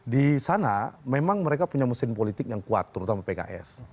di sana memang mereka punya mesin politik yang kuat terutama pks